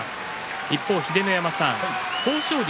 一方、秀ノ山さん、豊昇龍